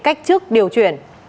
cách trước điều chuyển